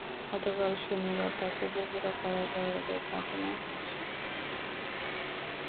গতকাল শনিবার তাঁকে বগুড়া কারাগারে পাঠানো হয়েছে।